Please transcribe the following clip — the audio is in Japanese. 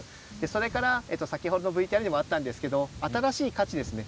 それから、先ほどＶＴＲにもあったんですが新しい価値ですね。